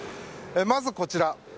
まず、こちら。